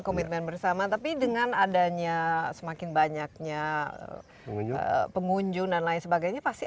komitmen bersama tapi dengan adanya semakin banyaknya pengunjung dan lain sebagainya pasti